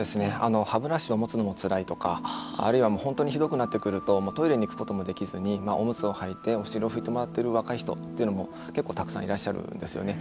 歯ブラシを持つのもつらいとかあるいは本当にひどくなってくるとトイレに行くこともできずにおむつを履いてお尻を拭いてもらっている人も若い人というのも結構たくさんいらっしゃるんですよね。